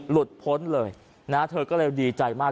พ้นเลยนะเธอก็เลยดีใจมาก